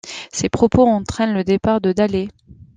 Ces propos entraînent le départ de Daley.